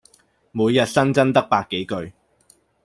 每日新增得百幾句